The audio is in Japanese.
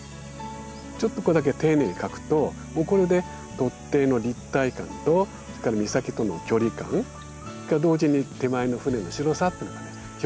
ちょっとこれだけ丁寧に描くともうこれで突堤の立体感とそれから岬との距離感それから同時に手前の船の白さっていうのがね表現できると。